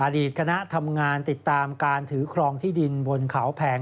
อดีตคณะทำงานติดตามการถือครองที่ดินบนเขาแพง